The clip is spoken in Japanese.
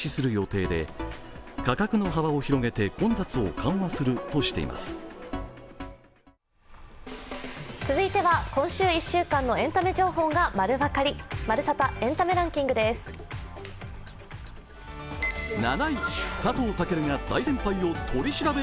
続いては今週１週間のエンタメ情報が丸分かり、「まるサタ」エンタメランキングです。